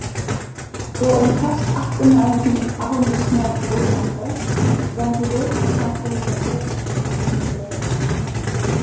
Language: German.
Er umfasst acht Gemeinden im Arrondissement Bourg-en-Bresse, sein bureau centralisateur ist in Miribel.